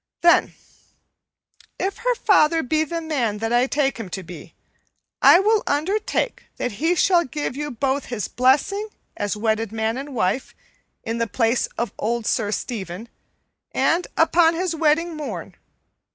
"Then, if her father be the man that I take him to be, I will undertake that he shall give you both his blessing as wedded man and wife, in the place of old Sir Stephen, and upon his wedding morn.